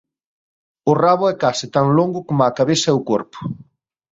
O rabo é case tan longo coma a cabeza e o corpo.